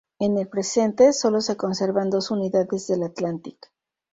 En el presente, sólo se conservan dos unidades del Atlantic.